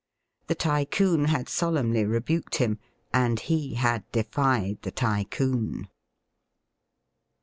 The Tycoon had solemnly rebuked him, and he had defied the Tycoon.